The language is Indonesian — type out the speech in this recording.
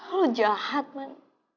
lo jahat man